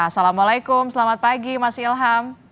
assalamualaikum selamat pagi mas ilham